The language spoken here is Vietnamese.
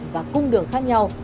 và cung đường khác nhau